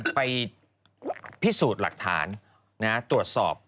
ไปพิสูจน์หลักฐานตรวจสอบ